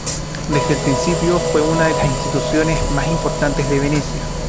Desde el principio fue una de las instituciones más importantes de Venecia.